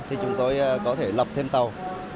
thì chúng tôi có thể lập thêm tàu